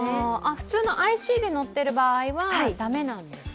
普通のＩＣで乗っている場合は駄目なんですね？